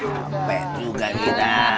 sampai juga kita